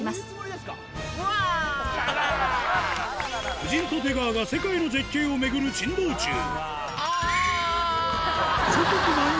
夫人と出川が世界の絶景を巡る珍道中あぁ！